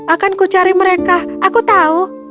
akanku cari mereka aku tahu